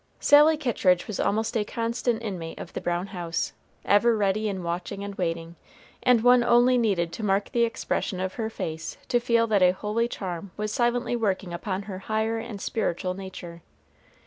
Sally Kittridge was almost a constant inmate of the brown house, ever ready in watching and waiting; and one only needed to mark the expression of her face to feel that a holy charm was silently working upon her higher and spiritual nature.